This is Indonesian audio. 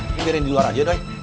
ini biarin di luar aja doi